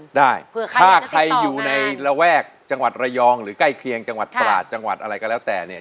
ได้เพื่อใครอยู่ในระแวกจังหวัดระยองหรือใกล้เคียงจังหวัดตราดจังหวัดอะไรก็แล้วแต่เนี่ย